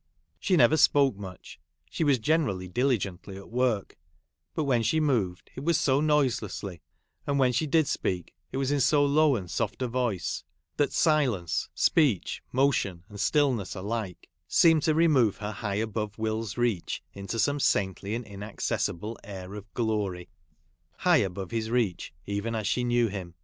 She never spoke much ; she was generally diligently at work ; but when she moved it was so noiselessly, and when she did speak, it was in so low and soft a voice, that silence, speech, motion and still ness, alike seemed to remove her high above Will's reach into some saintly and inaccessible air of glory — high above his reach, even as she knew him